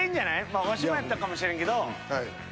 ワシもやったかもしれんけど。